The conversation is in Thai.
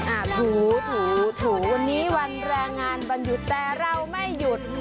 ถูถูถูวันนี้วันแรงงานวันหยุดแต่เราไม่หยุด